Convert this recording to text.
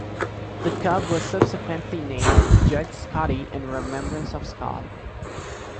The cub was subsequently named "Judge Scotty" in remembrance of Scott.